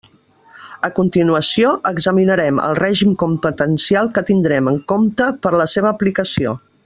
A continuació, examinarem el règim competencial que tindrem en compte per a la seva aplicació.